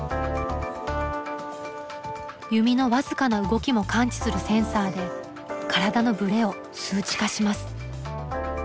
弓の僅かな動きも感知するセンサーで体のブレを数値化します。